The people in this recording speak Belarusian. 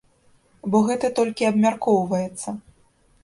Бо гэта толькі абмяркоўваецца.